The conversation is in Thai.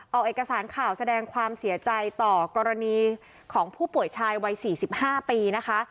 ออกเอกสารข่าวแสดงความเสียใจต่อกรณีของผู้ป่วยชายวัย๔๕ปีนะคะ